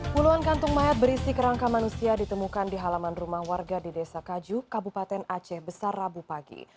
puluhan kantung mayat berisi kerangka manusia ditemukan di halaman rumah warga di desa kaju kabupaten aceh besar rabu pagi